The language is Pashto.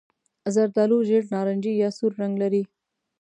زردالو ژېړ نارنجي یا سور رنګ لري.